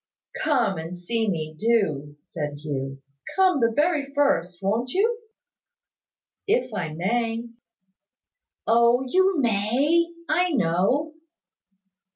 "Come and see me, do," said Hugh. "Come the very first, wont you?" "If I may." "Oh, you may, I know."